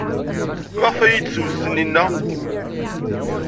Maɣef ay iyi-d-twet Taninna?